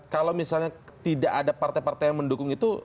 kalau misalnya tidak ada partai partai yang mendukung itu